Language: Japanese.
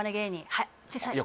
はい小さい？